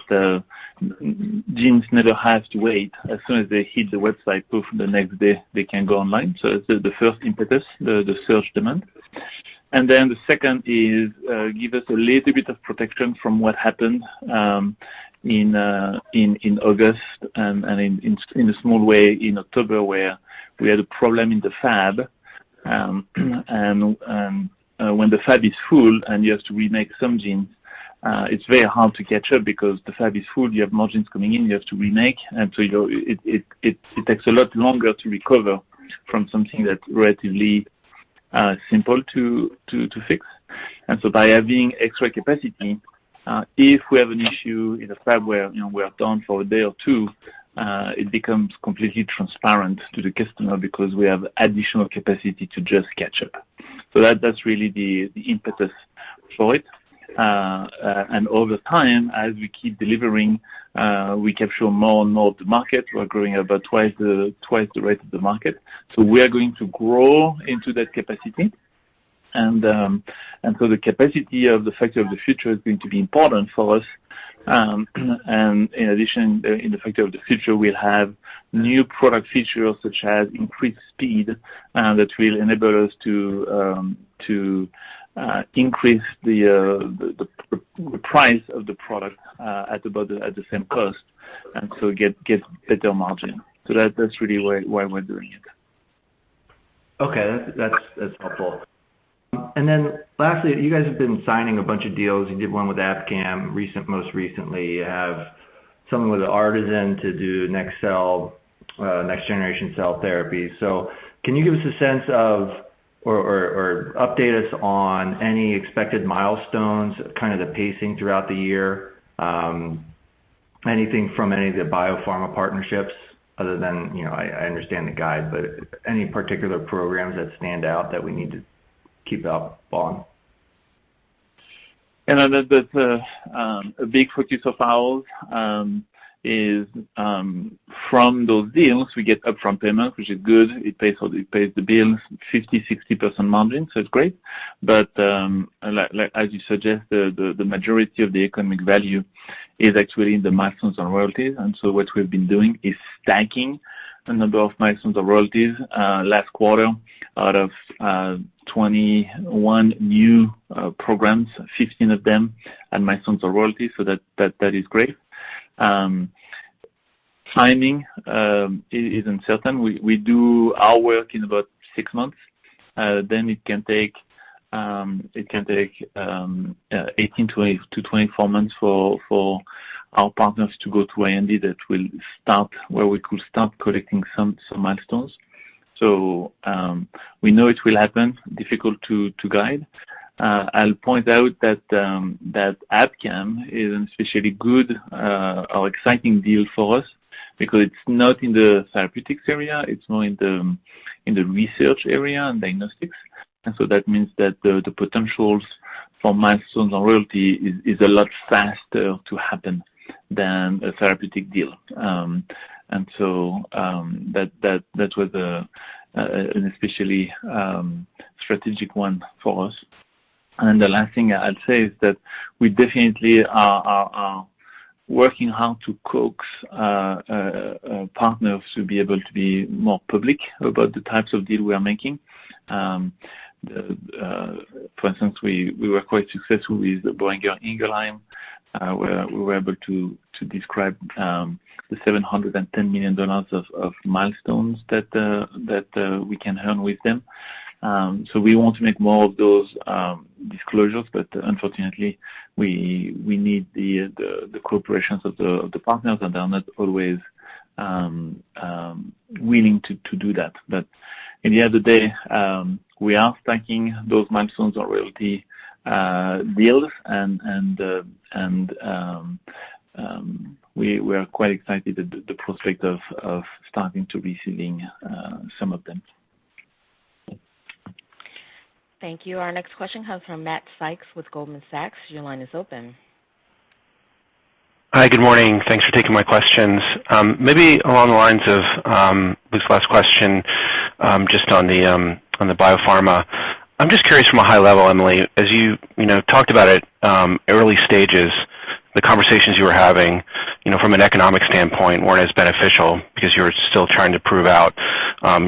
genes never have to wait. As soon as they hit the website, poof, the next day, they can go online. That is the first impetus, the search demand. The second is give us a little bit of protection from what happened in August and in a small way in October, where we had a problem in the fab. When the fab is full and you have to remake some gene, it's very hard to catch up because the fab is full, you have more genes coming in, you have to remake. You know, it takes a lot longer to recover from something that's relatively simple to fix. By having extra capacity, if we have an issue in the fab where, you know, we are down for a day or two, it becomes completely transparent to the customer because we have additional capacity to just catch up. That, that's really the impetus for it. Over time, as we keep delivering, we capture more and more of the market. We're growing about twice the rate of the market. We are going to grow into that capacity. The capacity of the Factory of the Future is going to be important for us. In addition, in the Factory of the Future, we'll have new product features such as increased speed that will enable us to increase the price of the product at about the same cost, and so get better margin. That's really why we're doing it. Okay. That's helpful. Lastly, you guys have been signing a bunch of deals. You did one with Abcam most recently. You have something with Artisan to do NK cell next-generation cell therapy. Can you give us a sense of or update us on any expected milestones, kind of the pacing throughout the year? Anything from any of the biopharma partnerships other than, you know, I understand the guide, but any particular programs that stand out that we need to keep up on? You know, a big focus of ours is from those deals, we get upfront payments, which is good. It pays the bills, 50%-60% margin, so it's great. Like as you suggest, the majority of the economic value is actually in the milestones and royalties. What we've been doing is stacking a number of milestones and royalties. Last quarter, out of 21 new programs, 15 of them had milestones or royalties, so that is great. Timing is uncertain. We do our work in about six months. It can take 18-24 months for our partners to go to R&D. That will start where we could start collecting some milestones. We know it will happen. Difficult to guide. I'll point out that Abcam is an especially good or exciting deal for us because it's not in the therapeutics area, it's more in the research area and diagnostics. That means that the potentials for milestones and royalty is a lot faster to happen than a therapeutic deal. That was an especially strategic one for us. The last thing I'd say is that we definitely are working hard to coax partners to be able to be more public about the types of deal we are making. For instance, we were quite successful with Boehringer Ingelheim. We were able to describe the $710 million of milestones that we can earn with them. We want to make more of those disclosures, but unfortunately we need the cooperation of the partners, and they are not always willing to do that. On the other hand, we are stacking those milestones or royalty deals and we are quite excited at the prospect of starting to receiving some of them. Thank you. Our next question comes from Matt Sykes with Goldman Sachs. Your line is open. Hi, good morning. Thanks for taking my questions. Maybe along the lines of Luke's last question, just on the biopharma. I'm just curious from a high level, Emily, as you know, talked about it, early stages, the conversations you were having, you know, from an economic standpoint weren't as beneficial because you were still trying to prove out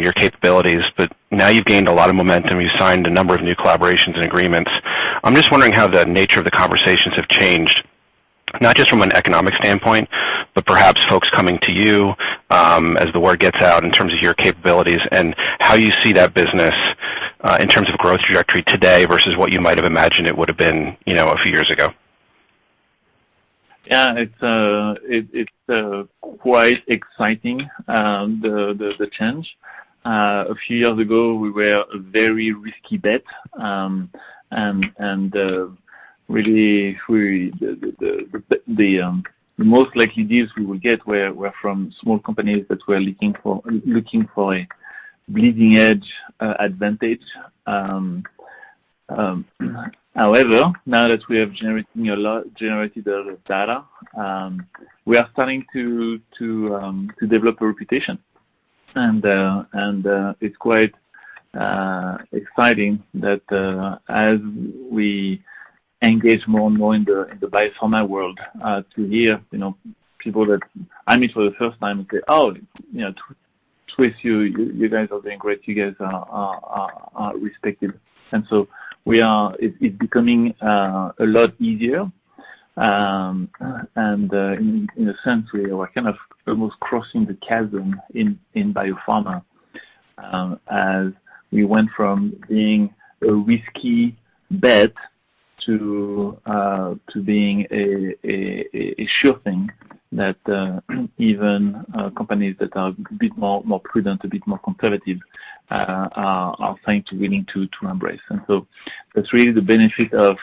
your capabilities. Now you've gained a lot of momentum. You've signed a number of new collaborations and agreements. I'm just wondering how the nature of the conversations have changed, not just from an economic standpoint, but perhaps folks coming to you, as the word gets out in terms of your capabilities and how you see that business in terms of growth trajectory today versus what you might have imagined it would have been, you know, a few years ago. Yeah, it's quite exciting, the change. A few years ago, we were a very risky bet, and really the most likely deals we would get were from small companies that were looking for a bleeding edge advantage. However, now that we have generated a lot of data, we are starting to develop a reputation. It's quite exciting that as we engage more and more in the biopharma world, to hear, you know, people that I meet for the first time say, "Oh, you know, Twist, you guys are doing great. You guys are respected." It's becoming a lot easier. In a sense, we are kind of almost crossing the chasm in biopharma as we went from being a risky bet to being a sure thing that even companies that are a bit more prudent, a bit more competitive, are starting to be willing to embrace. That's really the benefit of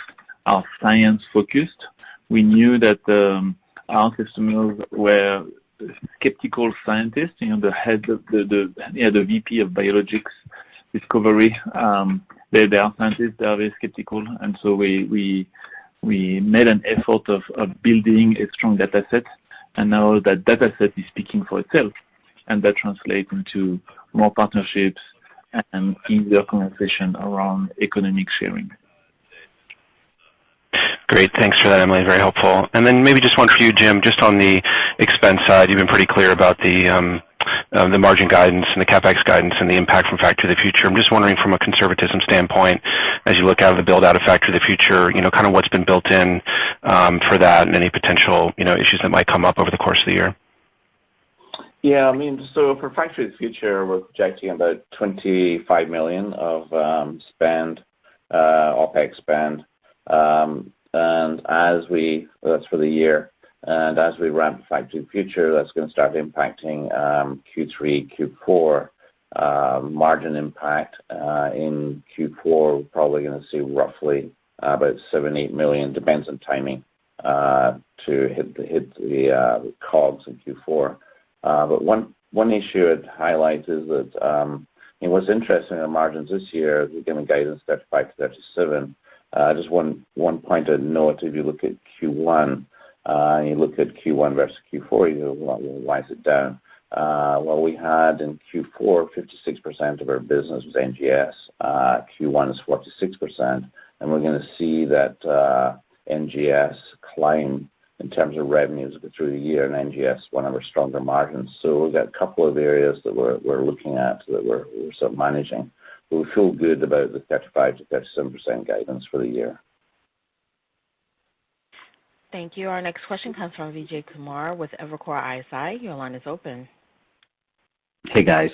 our science-focused. We knew that our customers were skeptical scientists, you know, the head of the, you know, the VP of Biologics Discovery, they are scientists. They are very skeptical. We made an effort of building a strong data set, and now that data set is speaking for itself, and that translate into more partnerships and easier conversation around economic sharing. Great. Thanks for that, Emily. Very helpful. Maybe just one for you, Jim, just on the expense side. You've been pretty clear about the margin guidance and the CapEx guidance and the impact from Factory of the Future. I'm just wondering from a conservatism standpoint, as you look out at the build out of Factory of the Future, you know, kind of what's been built in for that and any potential, you know, issues that might come up over the course of the year. Yeah, I mean, for Factory of the Future, we're projecting about $25 million of OpEx spend. That's for the year. As we ramp Factory of the Future, that's gonna start impacting Q3, Q4 margin impact. In Q4, we're probably gonna see roughly about $7-$8 million, depends on timing, to hit the COGS in Q4. One issue I'd highlight is that, you know, what's interesting in margins this year is we've given guidance 35%-37%. Just one point of note, if you look at Q1 and you look at Q1 versus Q4, you know, why is it down? Well, we had in Q4, 56% of our business was NGS. Q1 is 46%. We're gonna see that NGS climb in terms of revenues through the year, and NGS one of our stronger margins. We've got a couple of areas that we're still managing. We feel good about the 35%-37% guidance for the year. Thank you. Our next question comes from Vijay Kumar with Evercore ISI. Your line is open. Hey, guys.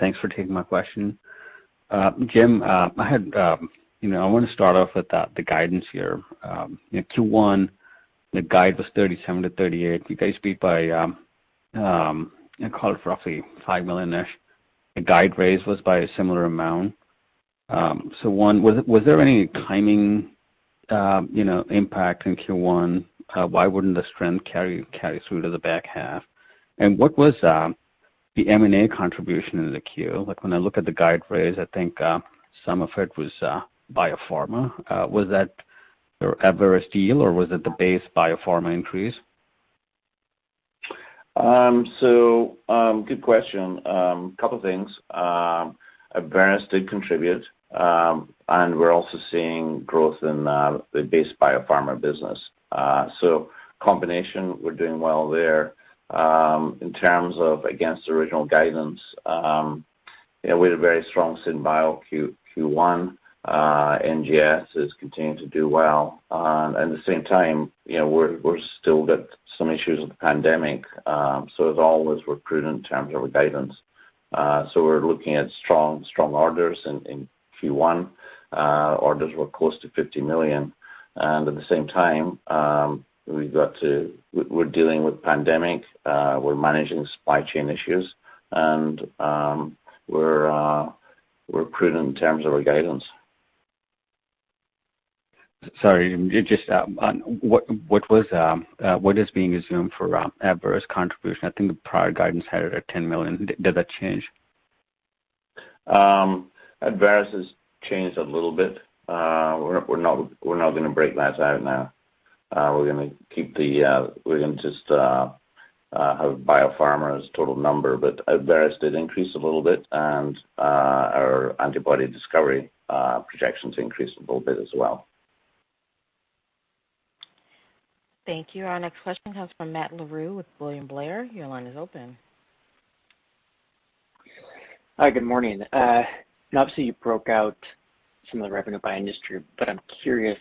Thanks for taking my question. Jim, I had, you know, I want to start off with the guidance here. In Q1, the guide was $37 million-$38 million. You guys beat by, I call it roughly $5 million-ish. The guide raise was by a similar amount. So one, was there any timing, you know, impact in Q1? Why wouldn't the strength carry through to the back half? And what was the M&A contribution in the Q? Like, when I look at the guide raise, I think some of it was biopharma. Was that the Abveris deal or was it the base biopharma increase? Good question. Couple things. Abveris did contribute, and we're also seeing growth in the base Biopharma business. Combination, we're doing well there. In terms of against the original guidance, yeah, we had a very strong SynBio Q1. NGS is continuing to do well. At the same time, you know, we still got some issues with the pandemic, so as always, we're prudent in terms of our guidance. We're looking at strong orders in Q1. Orders were close to $50 million. At the same time, we're dealing with pandemic, we're managing supply chain issues and we're prudent in terms of our guidance. Sorry, just, what is being assumed for Abveris contribution? I think the prior guidance had it at $10 million. Did that change? Abveris has changed a little bit. We're not gonna break that out now. We're gonna just have Biopharma's total number. Abveris did increase a little bit and our antibody discovery projections increased a little bit as well. Thank you. Our next question comes from Matthew Larew with William Blair. Your line is open. Hi, good morning. Obviously, you broke out some of the revenue by industry, but I'm curious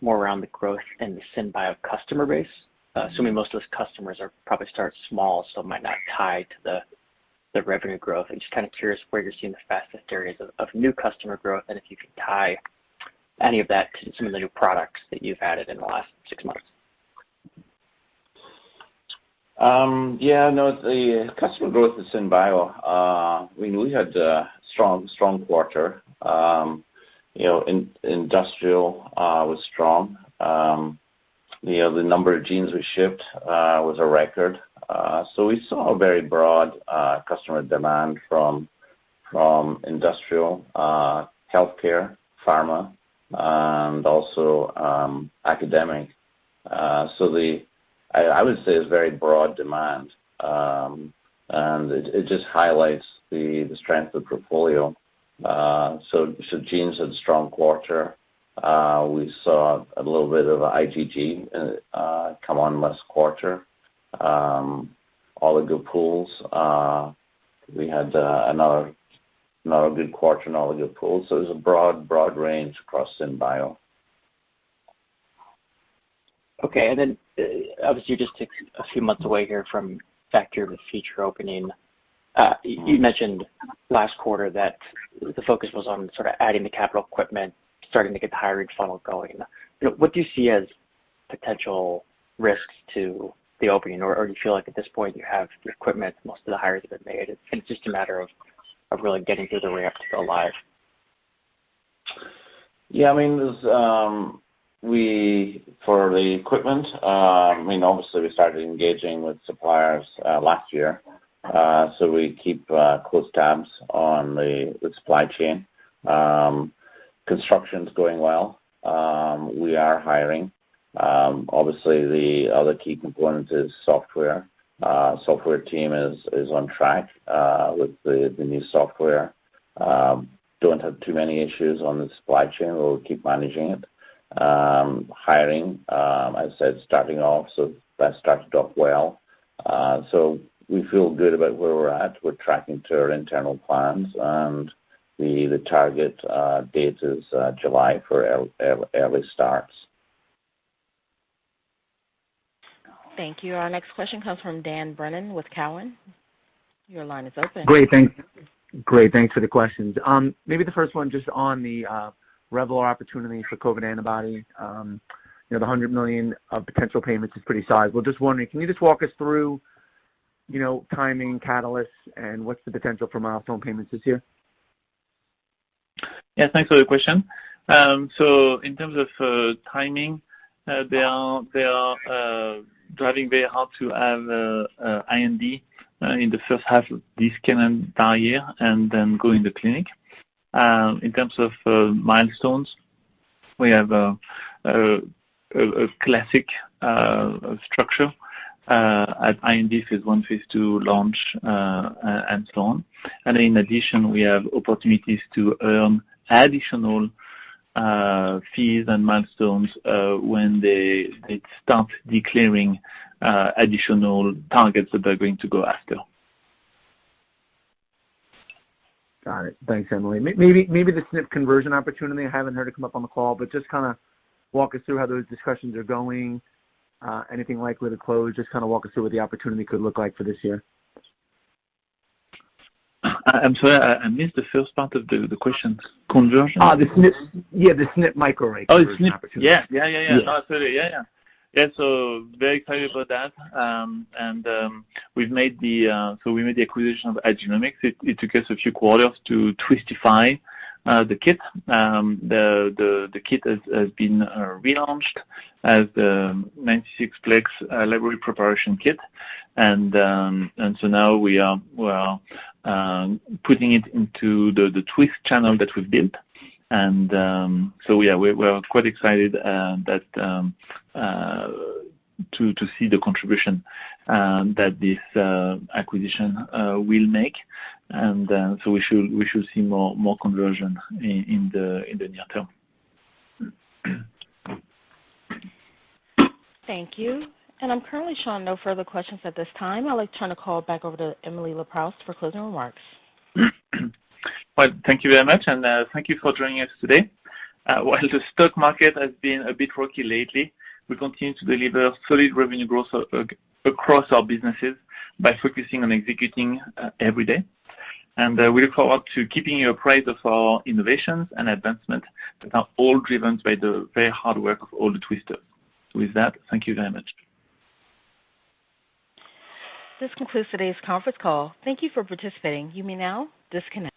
more around the growth in the SynBio customer base. Assuming most of those customers are probably start small, so it might not tie to the revenue growth. I'm just kind of curious where you're seeing the fastest areas of new customer growth, and if you could tie any of that to some of the new products that you've added in the last six months. Yeah, no, the customer growth in SynBio, I mean, we had a strong quarter. You know, industrial was strong. You know, the number of genes we shipped was a record. We saw a very broad customer demand from industrial, healthcare, pharma, and also academic. I would say it's very broad demand, and it just highlights the strength of the portfolio. Genes had a strong quarter. We saw a little bit of IgG come in last quarter. Oligo Pools, we had another good quarter in Oligo Pools. It was a broad range across SynBio. Okay. Obviously you're just a few months away here from Factory of the Future opening. You mentioned last quarter that the focus was on sort of adding the capital equipment, starting to get the hiring funnel going. You know, what do you see as potential risks to the opening? Or do you feel like at this point you have the equipment, most of the hires have been made, it's just a matter of really getting through the ramp to go live? Yeah, I mean, for the equipment, I mean, obviously we started engaging with suppliers last year. We keep close tabs on the supply chain. Construction's going well. We are hiring. Obviously the other key component is software. Software team is on track with the new software. Don't have too many issues on the supply chain. We'll keep managing it. Hiring, as I said, starting off, so that started off well. We feel good about where we're at. We're tracking to our internal plans and the target date is July for early starts. Thank you. Our next question comes from Daniel Brennan with Cowen. Your line is open. Great, thanks for the questions. Maybe the first one just on the Revelar opportunity for COVID antibody. You know, the $100 million of potential payments is pretty sizable. Just wondering, can you just walk us through, you know, timing, catalysts, and what's the potential for milestone payments this year? Yeah, thanks for the question. So in terms of timing, they are driving very hard to have IND in the first half of this calendar year and then go in the clinic. In terms of milestones, we have a classic structure at IND phase I, phase II launch, and so on. In addition, we have opportunities to earn additional fees and milestones when they start declaring additional targets that they're going to go after. Got it. Thanks, Emily. Maybe the SNP conversion opportunity I haven't heard come up on the call, but just kinda walk us through how those discussions are going. Anything likely to close? Just kinda walk us through what the opportunity could look like for this year. I'm sorry. I missed the first part of the question. Conversion? The SNP microarray conversion opportunity. Oh, the SNP. Yeah, so very excited about that. We made the acquisition of iGenomX. It took us a few quarters to Twistify the kit. The kit has been relaunched as 96-plex library preparation kit. Now we are putting it into the Twist channel that we've built. Yeah, we are quite excited to see the contribution that this acquisition will make. We should see more conversion in the near term. Thank you. I'm currently showing no further questions at this time. I'll return the call back over to Emily LeProust for closing remarks. Well, thank you very much, and thank you for joining us today. While the stock market has been a bit rocky lately, we continue to deliver solid revenue growth across our businesses by focusing on executing every day. We look forward to keeping you appraised of our innovations and advancements that are all driven by the very hard work of all the Twisters. With that, thank you very much. This concludes today's conference call. Thank you for participating. You may now disconnect.